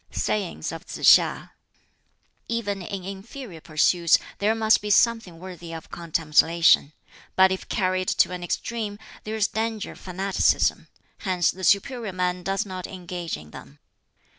Sayings of Tsz hiŠ: "Even in inferior pursuits there must be something worthy of contemplation, but if carried to an extreme there is danger of fanaticism; hence the superior man does not engage in them.